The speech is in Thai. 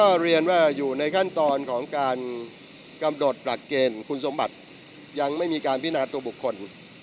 ก็เรียนว่าอยู่ในขั้นตอนของการกำหนดหลักเกณฑ์คุณสมบัติยังไม่มีการพินาตัวบุคคล